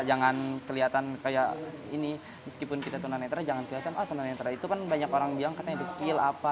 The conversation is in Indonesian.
jangan kelihatan kayak ini meskipun kita tunanetra jangan kelihatan oh tunanetra itu kan banyak orang bilang katanya kecil apa